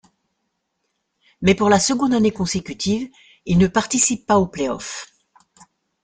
Mais, pour la seconde année consécutive, ils ne participent pas aux playoffs.